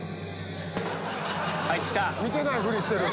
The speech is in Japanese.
見てないふりしてる。